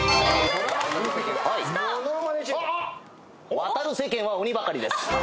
『渡る世間は鬼ばかり』です。